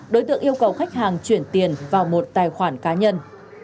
đối tượng yêu cầu khách hàng chuyển tiền vào một tài khoản cá nhân